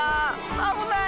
あぶない！